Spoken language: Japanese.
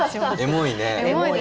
エモいね。